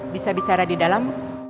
bisa bicara di dalam